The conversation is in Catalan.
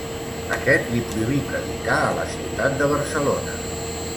Aquest li prohibí predicar a la ciutat de Barcelona.